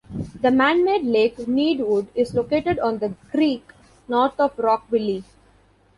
The man-made Lake Needwood is located on the creek, north of Rockville.